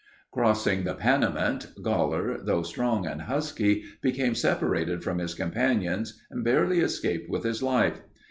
Crossing the Panamint, Goller, though strong and husky, became separated from his companions and barely escaped with his life.